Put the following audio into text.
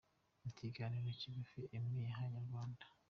Mu kiganiro kigufi Emmy yahaye Inyarwanda.